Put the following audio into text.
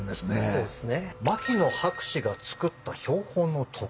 そうですね。